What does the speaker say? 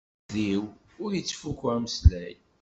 Izzizdiw, ur ittfukku ameslay.